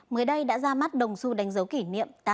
mới đây đã ra mắt đồng xu đánh dấu kỷ niệm